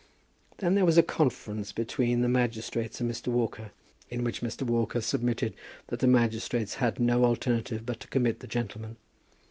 Then there was a conference between the magistrates and Mr. Walker, in which Mr. Walker submitted that the magistrates had no alternative but to commit the gentleman.